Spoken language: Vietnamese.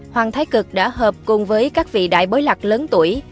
hoàng thái cực đã hợp cùng với các vị đại bối lạc lớn tuổi